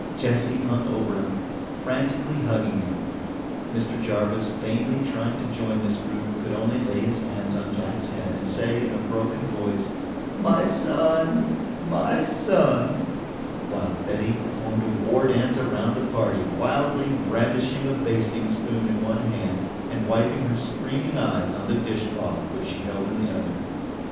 Jessie hung over him, frantically hugging him. Mr. Jarvis, vainly trying to join this group, could only lay his hands on Jack's head and say in a broken voice: "My son! My son!" while Betty performed a war dance around the party, wildly brandishing a basting spoon in one hand and wiping her streaming eyes on the dishcloth which she held in the other.